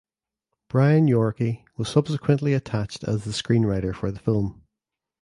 Brian Yorkey was subsequently attached as the screenwriter for the film.